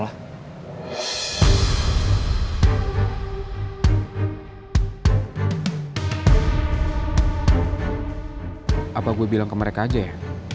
apa gue bilang ke mereka aja ya